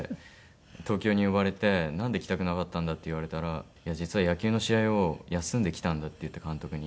東京に呼ばれて「なんで来たくなかったんだ」って言われたら「実は野球の試合を休んで来たんだ」って言って監督に。